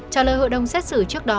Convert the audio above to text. trả lời hội đồng xét xử trước đó